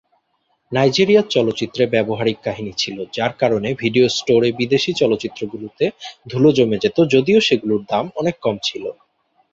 নাইজেরিয়ার চলচ্চিত্রে ব্যবহারিক কাহিনী ছিল, যার কারণে ভিডিও স্টোরে বিদেশি চলচ্চিত্রগুলোতে ধুলো জমে যেত যদিও সেগুলোর দাম অনেক কম ছিল।